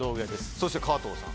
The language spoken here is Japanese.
そして加藤さん。